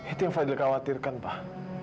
itu yang fadli khawatirkan pak